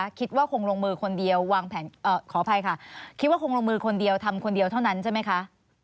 คุณคิดว่าคงลงมือคนเดียวทำคนเดียวเท่านั้นใช่ไหมคะ